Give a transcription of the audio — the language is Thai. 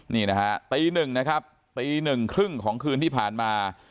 นี่นะครับตีหนึ่งครึ่งของคืนที่ผ่านมา